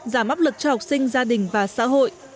giảm áp lực cho học sinh gia đình và xã hội